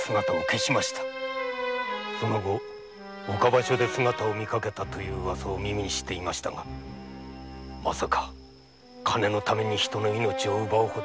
その後岡場所で姿を見かけたというウワサを耳にしていましたがまさか金のために人の命を奪うほど身を持ちくずしていようとは。